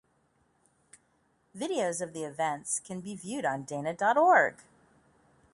Videos of the events can be viewed on dana dot org.